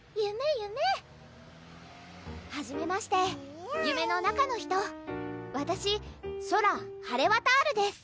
夢はじめまして夢の中の人わたしソラ・ハレワタールです